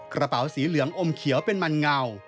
กระเป๋าสีเหลืองอมเขียวเป็นมันเงา